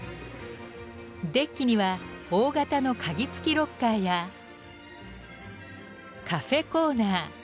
デッキには大型の鍵付きロッカーやカフェコーナー。